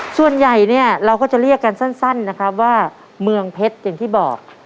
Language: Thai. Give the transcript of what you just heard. ส่วนใหญ่เนี่ยเราก็จะเรียกกันสั้นนะครับว่าเมืองเพชรอย่างที่บอก